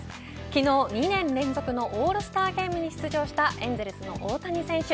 昨日２年連続のオールスターゲームに出場したエンゼルスの大谷選手